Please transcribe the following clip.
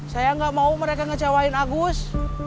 saya nggak mau mereka ngecewain agus